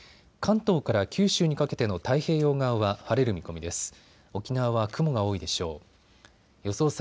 関東から九州にかけての太平洋側は晴れる見込みです。